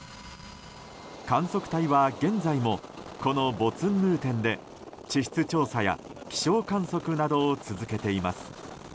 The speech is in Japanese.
観測隊は現在もこのボツンヌーテンで地質調査や、気象観測などを続けています。